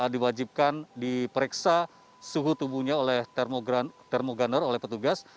diwajibkan diperiksa suhu tubuhnya oleh termoganner oleh petugas